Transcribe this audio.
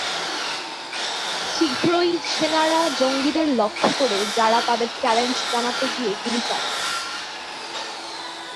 শীঘ্রই সেনারা জঙ্গিদের লক্ষ্য করে, যারা তাদের চ্যালেঞ্জ জানাতে গিয়ে গুলি চালায়।